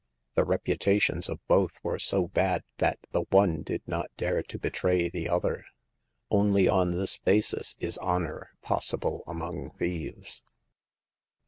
The reputations of both were so bad that the one did not dare to betray the other. Only on this basis is honor possible among thieves.